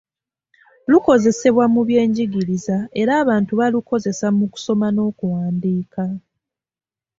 Lukozesebwa mu byenjigiriza era abantu balukozesa mu kusoma n’okuwandiika.